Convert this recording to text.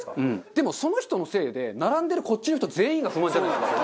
でもその人のせいで並んでるこっちの人全員が不満じゃないですか。